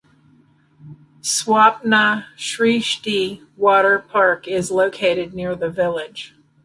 Swapna Shrishti Water Park is located near the village.